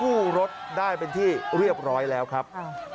รถได้เป็นที่เรียบร้อยแล้วครับ